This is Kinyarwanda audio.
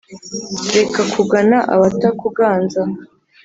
reka kugana abatakuganza